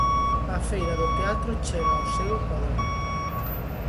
A Feira do teatro chega ao seu ecuador.